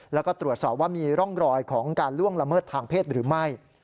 แล้วก็ตรวจสอบว่ามีร่องรอยของการล่วงละเมิดทางเพศหรือไม่